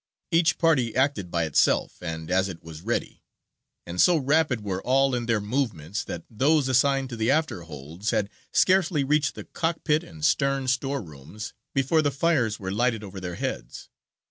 Each party acted by itself, and as it was ready; and so rapid were all in their movements, that those assigned to the after holds had scarcely reached the cockpit and stern store rooms before the fires were lighted over their heads.